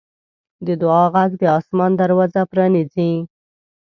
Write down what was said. د دعا غږ د اسمان دروازه پرانیزي.